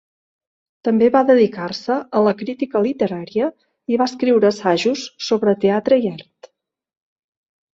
També va dedicar-se a la crítica literària i va escriure assajos sobre teatre i art.